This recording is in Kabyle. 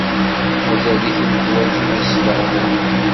Mazal-iten ḥwajen ad sleɣmun.